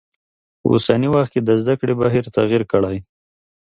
په اوسنی وخت کې د زده کړی بهیر تغیر کړی.